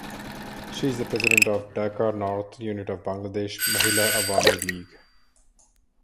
She is the President of Dhaka North unit of Bangladesh Mahila Awami League.